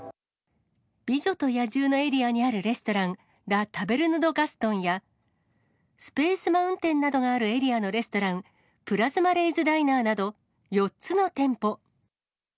美女と野獣のエリアにあるレストラン、ラ・タベルヌ・ド・ガストンや、スペースマウンテンなどがあるレストラン、プラズマ・レイズ・ダイナーなど、４つの店舗。